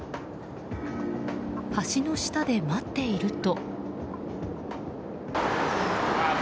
橋の下で待っていると。